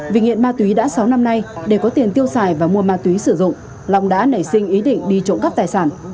vì nghiện ma túy đã sáu năm nay để có tiền tiêu xài và mua ma túy sử dụng long đã nảy sinh ý định đi trộm cắp tài sản